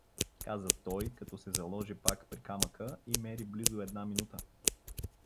Каза той, като се заложи пак при камъка и мери близо една минута.